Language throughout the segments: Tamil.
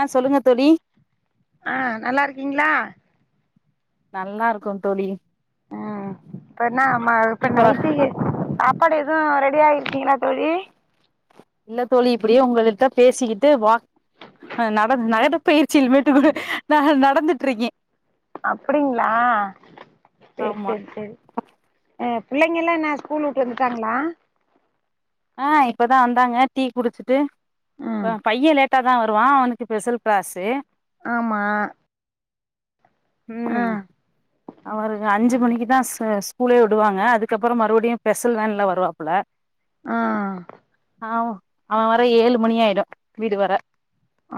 ஆ சொல்லுங்க தோழி ஆ நல்லாருக்கீங்ளா நல்லாருக்கோ தோழி ம் இப்ப என்னா அ இப்ப சூப்பரா நைட்டு சாப்பாடு எதுவு ரெடியா இருக்கீங்களா தோழி இல்ல தோழி இப்டியே உங்ககிட்ட பேசிக்கிட்டு வாக் ஹ நட நட பயிற்சியிலமேட்டு நா நடந்துட் இருக்கே அப்டிங்ளா செர் ஆமா செர் செரி ஆ பிள்ளைங்ல்லா என்ன ஸ்கூல் விட்டு வந்துட்டாங்ளா ஆ இப்பதான் வந்தாங்க டீ குடிச்சிட்டு ம் பைய லேட் டாதா தான் வருவான் அவனுக்கு ஸ்பெஷல் க்ளாஸ்ஸு ஆமா ஆ ம் அவருக்கு அஞ்சு மணிக்கு தா ஸ்கூலே விடுவாங்க அதுக்கப்பற மறுபடியு ஸ்பெஷல் வேன்ல வருவாப்ல ஆ ஆ அவன் வர ஏழு மணியாயிடும் வீடு வர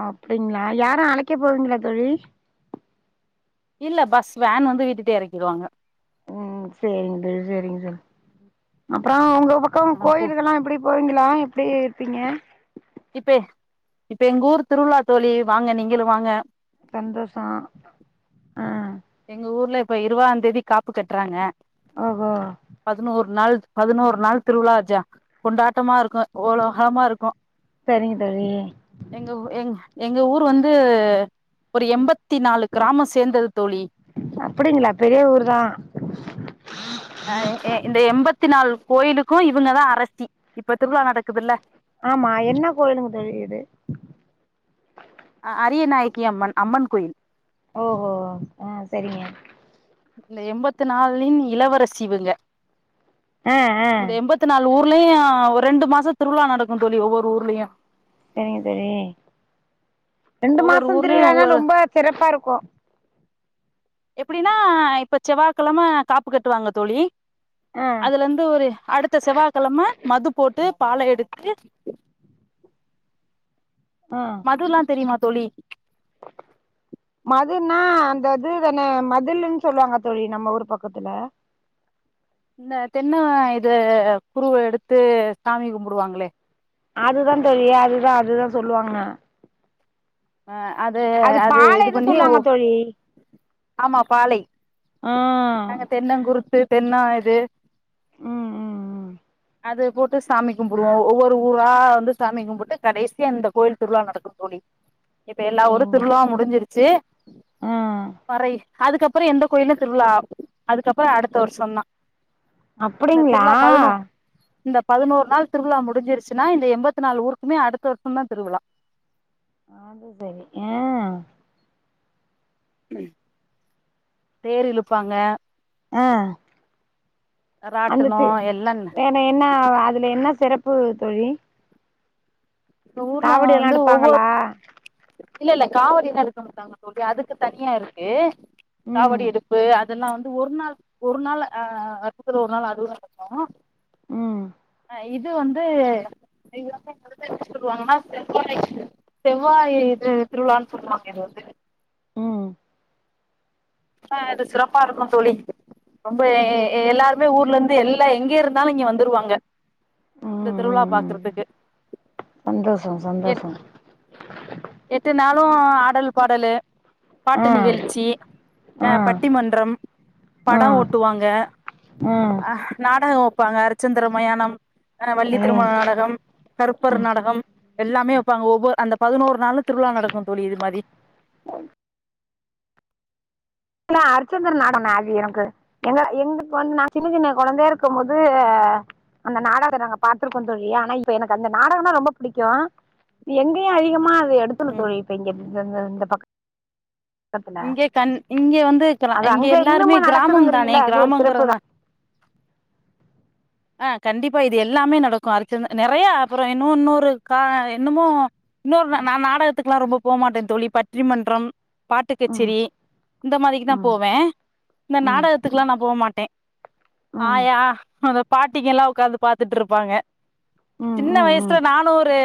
அப்டிங்களா, யாரும் அழைக்க போவீங்களா தோழி இல்ல பஸ் வேன் வந்து வீட்டுட்ட இறக்கிடுவாங்க ம் சரிங்க தோழி சரிங்க தோழி அப்பற உங்க பக்கம் ஆ போ கோயில்கள்ல்லா எப்டி போறீங்களா எப்டி இருப்பீங்க இப்ப இப்ப எங்க ஊர் திருவிழா தோழி வாங்க நீங்களு வாங்க சந்தோஷ அ எங்க ஊர்ல இப்ப இருபதா தேதி காப்பு கட்றாங்க ஓஹோ பதினோரு நாள் பதினோரு நாள் திருவிழா ஜா கொண்டாட்டமா இருக்கு உவலோகமா இருக்கு சரிங்க தோழி எங்க ஊ எங் எங்க ஊர் வந்து ஒரு எம்பத்தி நாலு கிராம சேந்த தோழி அப்டிங்களா பெரிய ஊர் தா அ எ இந்த எம்பத்தி நாலு கோயிலுக்கு இவங்கதா அரசி இப்ப திருவிழா நடக்குதுல்ல ஆமா என்ன கோயிலுங்க தோழி இது அரியநாயகி அம்மன் அம்மன் கோயில் ஓஹோ அ சரிங்க இந்த எம்பத்தி நாளின் இளவரசி இவங்க அ அ இந்த எம்பத்தி நாலு ஊர்லயு ஒரு ரெண்டு மாச திருவிழா நடக்கு தோழி ஒவ்வொரு ஊர்லயு சரிங்க தோழி ரெண்டு ஒவ்வொரு மாச ஊர்லயு திருவிழான்னா ஒவ்வொரு ரொம்ப சிறப்பா இருக்கு எப்டினா இப்ப செவ்வா கெழம காப்பு கட்டுவாங்க தோழி ஆ அதுல இருந்து ஒரு அடுத்த செவ்வா கெழம மது போட்டு பால எடுத்து ஆ மதுல்லா தெரியுமா தோழி மதுன்னா அந்த இது தான மதிலுன் சொல்லுவாங்க தோழி நம்ம ஊர் பக்கத்துல இந்த தென்ன இது குருவ எடுத்து சாமி கும்பிடுவாங்களே அதுதா தோழி அதுதா அதுதா சொல்லுவாங்க ஆ அது அது இது பாளைன்னு பண்ணி சொல்லுவாங்க தோழி ஆமா பாலை ஆ நாங்க தென்ன குறுத்து தென்ன இது ம் ம் ம் அது போட்டு சாமி கும்புடுவோ ஒவ்வொரு ஊரா வந்து சாமி கும்புட்டு கடைசியா இந்த கோயில் திருவிழா நடக்கு தோழி இப்ப எல்லா ஊரு சரிங்க திருவிழாவு முடிஞ்சிருச்சு ஆ மறை அதுக்கப்பற எந்த கோயில்லயு திருவிழா அதுக்கப்பற அடுத்த வருஷந்தா இந்த அப்படிங்களா திருவிழா பதினோ இந்த பதினோரு நாள் திருவிழா முடிஞ்சிருச்சுன்னா இந்த எம்பத்தி நாலு ஊருக்குமே அடுத்த வருஷந்தா திருவிழா அது சேரி அ ம் தேர் இழுப்பாங்க ஆ அந்த ராட்டனோ தி எல்லா ஏ இன்னு என்ன அ அதுல என்ன சிறப்பு தோழி இந்த ஊர்ல காவடி எல்லா வந்து ஒவ்வொர் எடுப்பாங்களா இல்ல இல்ல காவடி எல்லா எடுக்க மாட்டாங்க தோழி அதுக்கு தனியா இருக்கு ம் காவடி எடுப்பு அந் இதெல்லா வந்து ஒரு நாள் ஒரு நாள்ல அ வருஷத்துல ஒரு நாள் அதுவு நடக்கு ம் இது வந்து அடுத்து சொல்லுவாங்கன்னா செவ்வாய் செவ்வாய் இது திருவிழான் சொல்லுவாங்க இது ம் ஆ அது சிறப்பா இருக்கு தோழி ரொம்ப எ எ எல்லாருமே ஊர்ல இருந்து எல்லா எங்க இருந்தாலு இங்க வந்துருவாங்க ம் இந்த திருவிழா ம் பாக்குறதுக்கு சந்தோஷோ எட் சந்தோஷோ எட்டு நாளு ஆடல் பாடலு ஆ பாட்டு நிகழ்ச்சி ஆ பட்டி மன்றம் ஆ பட ஓட்டுவாங்க ஆ ம் அ நாடக வப்பாங்க அரிச்சந்திர மயானோ அ வள்ளி திருமண நாடகம் கருப்பர் நாடக எல்லாமே வப்பாங்க ஒவ்வொரு அந்த பதினோரு நாளு திருவிழா நடக்கு தோழி இது மாரி இல்ல அர்ச்சந்திர நாடோ நவி எனக்கு எங்க எங்களுக்கு வந்து நா சின்ன சின்ன கொழந்தைய இருக்க போது அந்த நாடகத்த நாங்க பாத்திருக்கோ தோழி ஆனா இப்ப எனக்கு அந்த நாடகனா ரொம்ப பிடிக்கு எங்கேயு அதிகமா அது எடுத்துணு ம் தோழி இப்ப இங்க இந்த இந்த இந்த பக் இங்க கண் இங்க வந்து க அது இங்க அங்க இன்னுமா எல்லாருமே கிராமோ தானே நடக்குதுங்கிறீங்கல்ல அது ஒரு சிறப்பு கிராமங்கிறன ஆ கண்டிப்பா இது எல்லாமே நடக்கு அரிச்சந்த நெறைய அப்பறோ இன்னு இன்னொரு கா என்னுமோ இன்னொருனா நா நாடகத்துக்குல்லா ரொம்ப போ மாட்டே தோழி பற்றி மன்றோ பாட்டு ம் கச்சேரி இந்த மாரிக்கு நா ம் போவே இந்த ம் நாடகத்துக்குல்லா நா போ மாட்டே ம் ஆயா அந்த பாட்டிங்க எல்லா உக்காந்து பாத்துட்டு இருப்பாங்க ம் சின்ன ம் வயசுல ம் நானு ஒரு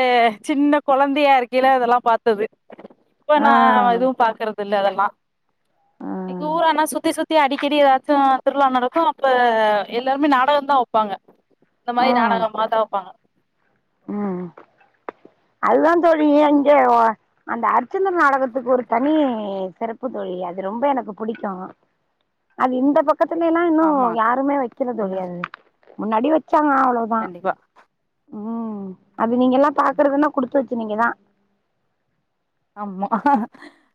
சின்ன கொழந்தையா இருக்கல்ல அதெல்லா பாத்தது இப்ப ஆ நா எதுவு பாக்குறது இல்ல அதெல்லா ம் எங்க ஊரனா சுத்தி சுத்தி அடிக்கடி ஏதாச்சு திருழா நடக்கு அப்ப எல்லாருமே நாடக தா வப் பாங்க இந்த ஆ மாரி நாடகமா தா வப்பாங்க ம் அதுதா தோழி அங்கே ஒ அந்த அர்ச்சுந்திர நாடகத்துக்கு ஒரு தனி செறப்பு தோழி அது ரொம்ப எனக்கு புடிக்கு அது இந்த பக்கத்துல எல்லா இன்னோ ஆமா யாருமே வக்கில தோழி அது முன்னாடி வச்சாங்க அவ்ளோ கண்டிப்பா அது நீங்க எல்லா பாக்குறதுன்னா குடுத்து வச்சு நீீங்கதா ஆமா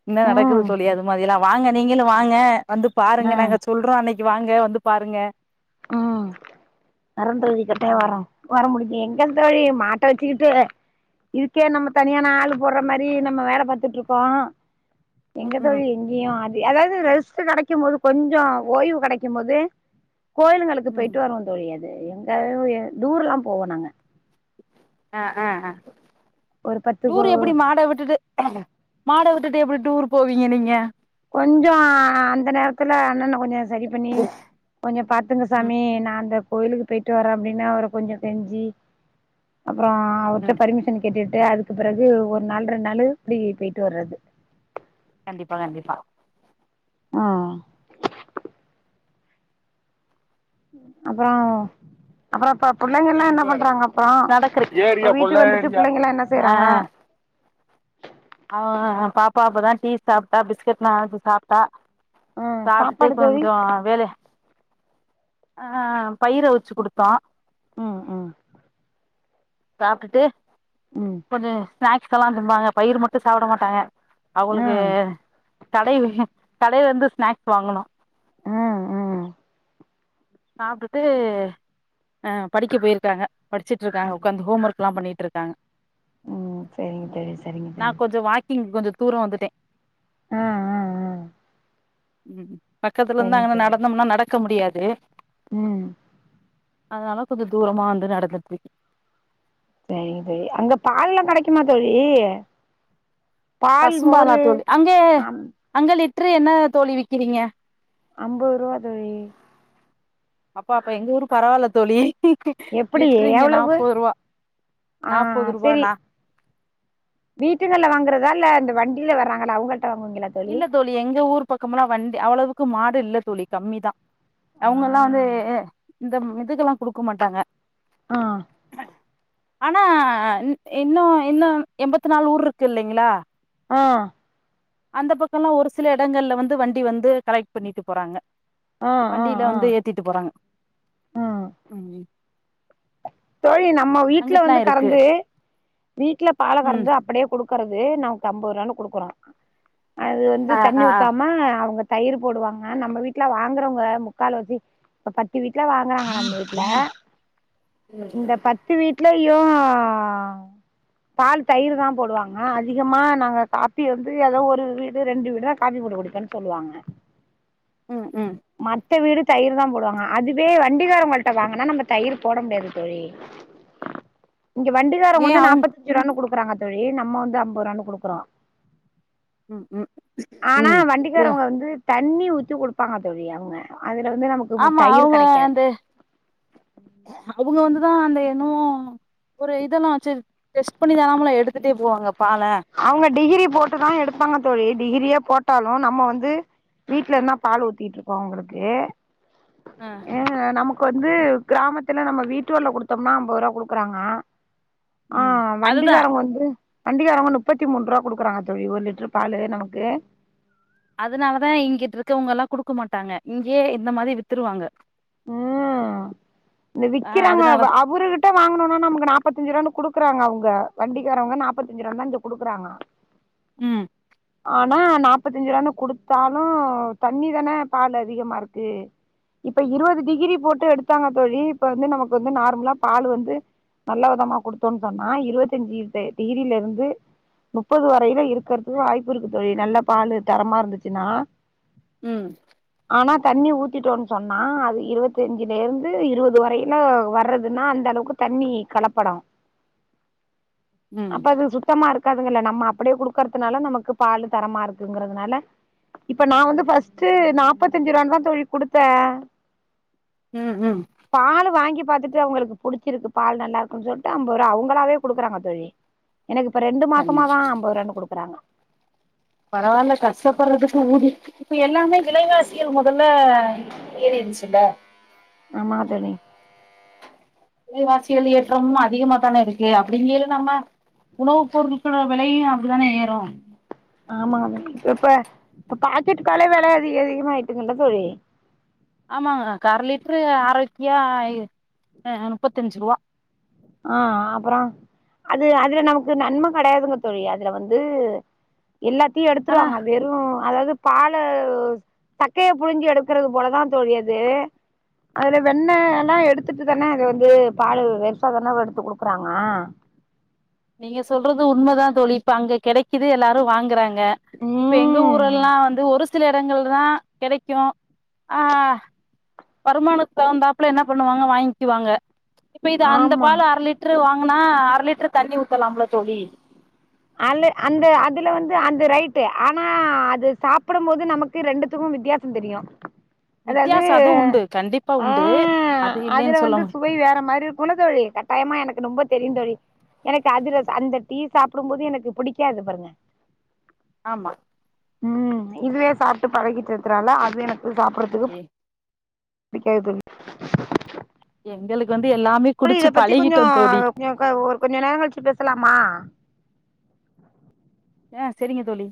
இன்ன நடக்குது ம் தோழி அது மாதியெல்லா வாங்க நீங்களு வாங்க வந்து ஆ பாருங்கங்க நாங்க சொல்றோ அன்னைக்கு வாங்க வந்து பாருங்க ம் [unintelligible] ம் வரோ வர முடிது எங்க தோழி மாட்ட வச்சுக்கிட்டு இதுக்கே நம்ம தனியா நா ஆளு போடுற மாரி நம்ம வேல பாத்துட்டுருக்கோ எங்க ம் தோழி இங்கேயு அது அதாவ்து ரெஸ்டு கெடைக்கு போது கொஞ்சோ ஓய்வு கெடைக்கு போது கோயிலுகளுக்கு ம் போய்ட்டு வருவோ தோழி அது எங்கயுயே டூருல்லா போவோ நாங்க அ அ அ ஒரு பத்து கோ டூர் எப்டி மாட விட்டுட்டு மாட விட்டுட்டு எப்டி டூர் போவீங்க நீங்க கொஞ்சோ அந்த நேரத்துல அண்ணன்ன கொஞ்சோ சரி பண்ணி கொஞ்சோ பாத்துங்க ம் சாமி நா அந்த கோயிலுக்கு போயிட்டு வரறே அப்டின்னு அவர கொஞ்சோ கெஞ்சி அப்றோ ம் அவர்ட்ட ம் பர்மிஷன் கேட்டுட்டு அதுக்கு பிறகு ஒரு நாள் ரெண்டு நாள் இப்டி போயிட்டு வர்றது கண்டிப்பா கண்டிப்பா ஆ அப்றோ அப்பறோ ப புள்ளங்க எல்லா என்ன கண்டிப்பா பண்றாங்க அப்றோ நடக்கறி இப்ப ஏரியா பொள்ள வீட்டுக்கு வந்துட்டு ஏரியா புள்ளங்கல்லா என்ன செய்றாங்க ஆ பாப்பா இப்பதா டீ சாப்டா பிஸ்கட் நன சாப் டா ம் சாப்டுட்டு சாப்பாடு தோழி கொஞ்சோ வேலய அ பயிரு அவிச்சு குடுத்தோ ம் ம் சாப்டுட்டு ம் கொஞ்சோ ஸ்நாக்ஸ் கெல்லா திம்பாங்க பயிறு மட்டு சாப்ட மாட்டாங்க அவளுக்கு ம் கடை கடையில இருந்து ஸ்நாக்ஸ் வாங்கனு ம் ம் சாப்டுட்டு அ படிக்க போயிருக்காங்க படிச்சுட்டு இருக்காங்க உக்காந்து ஹோம் ஒர்க் ல்லா பண்ணிட்டு இருக்காங்க ம் சரிங்க தோழி சரிங்க நா தோழி கொஞ்சோ வாக்கிங் கொஞ்சோ தூரோ வந்துட்டே ஆ ஆ ஆ ம் பக்கத்துல சரிங்க இருந்தாங்கனா தோழி நடந்தோம்னா நடக்க முடியாது ம் அதனால கொஞ்சோ தூரமா வந்து நடதுட்டிருக்கே சேரிங்க தோழி அங்க பால்லா கெடைக்குமா தோழி பால் பசும்பாலா மோரு தோழி அங்கே அம் அங்க லிட்டரு என்ன தோழி விக்கிறீங்க அம்பது ரூவா தோழி அப்பா எங்க ஊரு பரவால்ல தோழி எப்படி லிட்ரு இங்க எவ்வளவு நாற்பது ரூபா ஆ நாற்பது ரூபா நா வீட்டுகள்ல வாங்கறதா இல்ல இந்த வண்டில வர்றாங்கல்ல அவுங்கள்ட வாங்குவிங்களா இல்ல தோழி எங்க ஊர் பக்கமுல்லா வண்டி அவ்ளவுக்கு மாடு இல்ல தோழி கம்மிதா அவுங்கல்லா வந்து ஆ இந்த ம் இதுக்கெல்லா குடுக்க மாட்டாங்க ஆ ஆனா இன் இன்னு இன்னு எம்பத்து நாலு ஊரு இருக்கு இல்லீங்ளா ஆ அந்த பக்கல்லா ஒரு சில எடங்கள்ல வந்து வண்டி வந்து கலெக்ட் பண்ணிட்டு போறாங்க ஆ ஆ வண்டில ஆ வந்து ஏத் திட்டு போறாங்க ம் ம் தோழி நம்ம வீட்ல அங்கிட்லா வந்து இருக்கு கறந்து வீட்ல பால ம் கறந்து அப்டியே குடு க்குறது நமக்கு அம்பது ரூவானு குடுக்குறோ அது வந்து ஆ தண்ணி ஆ ஆ ஊத்தாம அவுங்க தயிர் போடுவாங்க நம்ம வீட்ல வாங்குறவுங்க முக்கால் வசி இப்ப பத்து வீட்ல வாங்குறாங்க நம்ம வீட்ல இந்த பத்து வீட்லயு பால் தயிரு தா போடுவாங்க அதிகமா நாங்க காப்பி வந்து எதோ ஒரு வீடு ரெண்டு வீடோ காப்பி போட்டு குடிக்கனு சொல்லுவாங்க ம் ம் மத்த வீடு தயிர் தா போடுவாங்க அதுவே வண்டிகாரவுங்கள்டா வாங்கனா நம்ம தயிர் போட முடியாது தோழி இங்க ஏ வண்டிகாரவுங்க வந்து அவுங் நாபத் அஞ்சு ரூவானு குடுக்குறாங்க தோழி நம்ம வந்து அம்பது ரூவானு குடுக்குறோ ம் ம் ஆனா ம் வண்டிக்காரவுங்க வந்து தண்ணி ஊத்தி குடுப்பாங்க தோழி அவுங்க அதுல வந்து நமக்கு ஆமா தயிர் அவங்க கெடைக்காது அந்த அவுங்க வந்துதா அந்த என்னவோ ஒரு இதெல்லா வெச்சு டெஸ்ட் பண்ணி தானாம்ல எடுத்துட்டே போவாங்க பால அவுங்க டிகிரி போட்டுதா எடுப்பாங்க தோழி டிகிரியே போட்டாலு நம்ம வந்து வீட்ல இருந்தா பால் ஊத்திட்டு இருப்போ அங்களுக்கு ஆ அ நமக்கு நமக்குவந்து கிராமத்துல நம்ம வீட்டுவல்ல குடுத்தோம்னா அம்பது ரூவா குடுக்குறாங்க ஆ ம் அதுதா வண்டிக்காரவுங்க வந்து வண்டிகாரவங்க முப்பத்தி மூன்ருவா குடுக்குறாங்க தோழி ஒரு லிட்ரு பாலு நமக்கு அதனாலதா இங்கிட்ருக்கவுங்கல்லா குடுக்க மாட்டாங்க இங்கியே இந்த மாரி வித்துருவாங்க ம் இந்த ஆ விக்கிறாங்க அதனால அவரு கிட் கிட்ட வாங்கணோம்னா நமக்கு நாப்பத்தஞ்சு ரூவானு குடுறாங்க அவுங்க வண்டிக்காரவுங்க நாப்பத்தஞ்சு ரூவானு தான் இங்க குடுக்குறாங்க ம் ஆனா நாப்பத்தஞ்சு ரூவானு குடுத்தாலு தண்ணி தானே பால்ல அதிகமா இருக்கு இப்ப இருவது டிகிரி போட்டு எடுத்தாங்க தோழி இப்ப வந்து நமக்கு வந்து நார்மலா பாலு வந்து நல்ல விதமா குடுத்தோன் சொன்னா இருவத்தஞ்சி தே டிகிரிலருந்து முப்பது வரையில இருக்கிறதுக்கு வாய்ப்பு இருக்கு தோழி நல்ல பாலு தரமா இருந்துச்சுன்னா ம் ஆனா தண்ணி ஊத்திட்டோன் சொன்னா அது இருவத்தஞ்சிலேருந்து இருவது வரையிலு வர்றதுன்னா அந்தளவு க்கு தண்ணி கலப்படோ ம் அப்ப அது சுத்தமா இருக்காதுங்கல்ல நம்ம அப்டியே குடுக்கறதுனால நமக்கு பாலு தரமா இருக்குங்கிறதுனால இப்ப நா வந்து ஃபஸ்ட்டு நாப்பத்தஞ்சுருவான் தா தோழி குடுத்தே ம் ம் பாலு வாங்கி பாத்துட்டு அவுங்களுக்கு புடிச்சிருக்கு பால் நல்லாருக்குன் சொல்ட்டு அம்பர்ருவா அவுங்களாவே குடுக்குறாங்க தோழி எனக்கு இப்ப ரெண்டு மாசமா தா அம்பதுருவானு குடுக்குறாங்க பரவால்ல கஷ்டப்படுறதுக்கு ஊதி இப்ப எல்லாமே விலைவாசிகள் மொதல்ல ஏறிடுச்சில்ல ஆமா தோழி விலைவாசிகள் ஏற்றம் அதிகமா தான இருக் கு அப்டிங்கைள நம்ம உணவுப் பொருட்களோ வெலையு அப்டிதான ஏறு ஆமாமா இப்ப இப்ப இப்ப பாக்கெட் பாலே வெல அதிக அதிகமாயிட்டுங்கள்ல தோழி ஆமாங்க கர லிட்ரு ஆரோக்கியா அ முப்பத்தஞ்சிருவா ஆ அப்பறோ அது அதுல நமக்கு நன்ம கெடையாதுங்க தோழி அதுல வந்து எல்லாத்தையு ஆனா எடுத்துருவாங்க வெறு அதாவ்து பால சக்கைய புழிஞ்சு எடுக்குறது போலதா தோழி அது அதுல வெண்ணெய் எல்லா எடுத்துட்டுதான அது வந்து பாலு வேஸ் ட்டாதான எடுத்து குடுக்குறாங்க நீங்க சொல்றது உண்மதா தோழி இப்ப அங்க கெடைக்குது எல்லாரு வாங்குறாங் க இப்ப எங்க ம் ஊரெல்லா வந்து ஒரு சில எடங்கள் தா கெடைக்கு ஆ வருமானத் தகுந்தாப்புல என்ன பண்ணுவாங்க வாங்கிக்குவாங்க இப்ப இது அந்த ஆமா பால் அர லி ட்ரு வாங்குனா அர லிட்ரு தண்ணி ஊத்தலாம்ல்ல தோழி அலு அந்த அதுல வந்து அந்த ரைட்டு ஆனா அது சாப்பிடு போது நமக் தி ரெண்டுத்துக்கு வித்தியாசோ தெரியு அதாவ்து வித்தியாசோ அது உண்டு கண்டிப்பா ஆ உண்டு அது அதுல இல்லைன்னு சொல்ல வந்து முடியா சுவை வேற மாரி இருக்குல்ல தோழி கட்டாய்மா எனக்கு நொம்ப தெரியுந் தோழி எனக்கு அதிரசோ அந்த டீ சாப் புடும்போது எனக்குப் புடிக்காது பாருங்க ஆமா ம் இதுவே சாப்ட்டு பழகிட்றதால அது எனக்கு சாப்பிடுறதுக்கு எ பிடிக்காது தோழி எங்களுக்கு வந்து எல்லாமே தோழி குடிச்சு இத பத்தி கொஞ்சோ பழகிட்டோ தோழி கொஞ்ச க ஒரு கொஞ்ச நேர கழிச்சு பேசலாமா அ செரிங்க தோழி